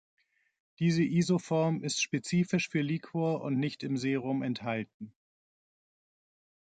Diese Isoform ist spezifisch für Liquor und nicht im Serum enthalten.